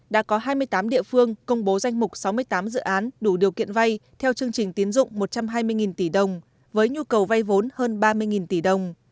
đã có hai mươi tám địa phương công bố danh mục sáu mươi tám dự án đủ điều kiện vay theo chương trình tiến dụng một trăm hai mươi tỷ đồng với nhu cầu vay vốn hơn ba mươi tỷ đồng